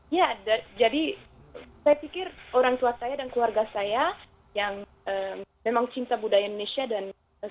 ya jadi saya pikir orang tua saya dan keluarga saya yang memang cinta budaya indonesia dan saya